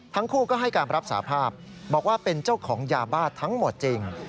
ทั้งคู่ก็ให้การรับสาภาพบอกว่าเป็นเจ้าของยาบ้าทั้งหมดจริง